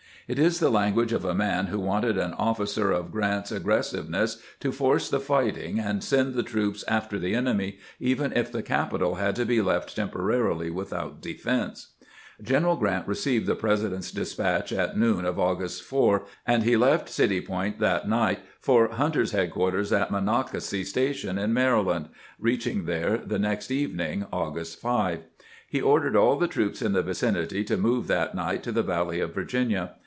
It is the language of a man who wanted an officer of Grant's aggressiveness to force the fighting and send the troops after the enemy, even if the capital had to be left tem porarily without defense. General Grant received the President's despatch at noon of August 4, and he left City Point that night for Hunter's headquarters at Monocacy Station in Mary land, reaching there the next evening, August 5. He ordered aU the troops in the vicinity to move that night to the valley of Virginia.